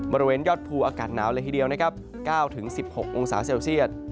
บริเวณยอดภูอากาศหนาวเลยทีเดียวนะครับ๙๑๖องศาเซลเซียต